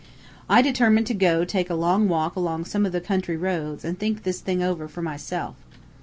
I determined to go take a walk along some of the country roads an' think this thing over for myself.